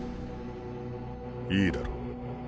いいだろう。